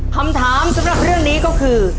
คำถามสำหรับเรื่องนี้ก็คือ